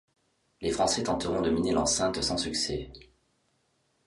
Les Français tenteront de miner l'enceinte sans succès.